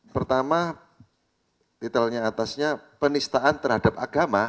pertama detailnya atasnya penistaan terhadap agama